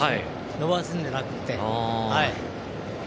伸ばすんじゃなくて。